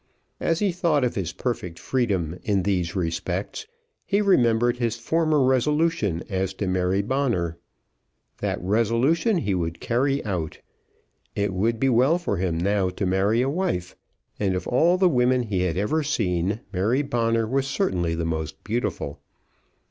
As he thought of his perfect freedom in these respects, he remembered his former resolution as to Mary Bonner. That resolution he would carry out. It would be well for him now to marry a wife, and of all the women he had ever seen Mary Bonner was certainly the most beautiful.